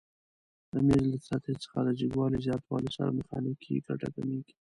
د میز له سطحې څخه د جګوالي زیاتوالي سره میخانیکي ګټه کمیږي؟